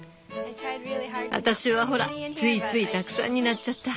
私はほらついついたくさんになっちゃった。